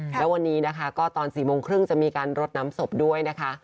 แล้ววันนี้นะคะก็ตอน๔โมงครึ่งจะมีการรดน้ำศพด้วยนะคะ